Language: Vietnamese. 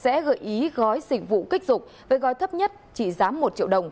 sẽ gợi ý gói dịch vụ kích dục với gói thấp nhất chỉ giá một triệu đồng